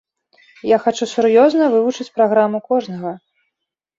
Я хачу сур'ёзна вывучыць праграму кожнага.